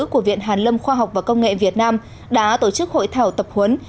của viện hàn lâm khoa học và công nghệ việt nam đã tổ chức hội thảo tập huấn